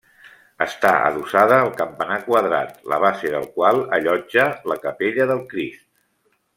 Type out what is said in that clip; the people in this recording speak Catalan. Està adossada al campanar quadrat, la base del qual allotja la capella del Crist.